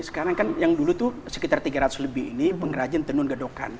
sekarang kan yang dulu tuh sekitar tiga ratus lebih ini pengrajin tenun gedokan